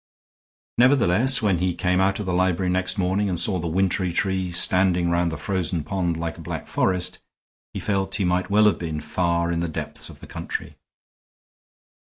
Nevertheless, when he came out of the library next morning and saw the wintry trees standing round the frozen pond like a black forest, he felt he might well have been far in the depths of the country.